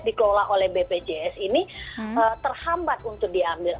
dikelola oleh bpjs ini terhambat untuk diambil